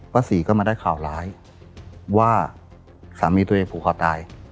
ศรีก็มาได้ข่าวร้ายว่าสามีตัวเองผูกคอตาย